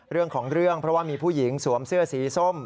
เรื่องของเรื่องเพราะว่ามีผู้หญิงสวมเสื้อสีส้ม